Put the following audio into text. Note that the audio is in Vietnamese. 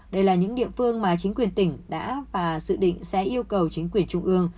đây là những địa phương mà chính quyền tỉnh đã và dự định sẽ yêu cầu chính quyền trung ương